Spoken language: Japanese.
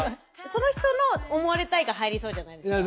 その人の思われたいが入りそうじゃないですか。